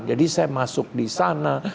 jadi saya masuk di sana